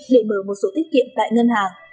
để mở một số tiết kiệm tại ngân hàng